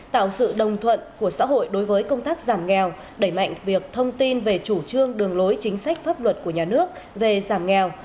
tạo sự đồng thuận của xã hội đối với công tác giảm nghèo đẩy mạnh việc thông tin về chủ trương đường lối chính sách pháp luật của nhà nước về giảm nghèo